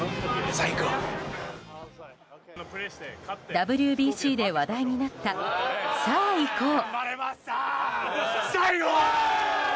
ＷＢＣで話題になったさあ行こう。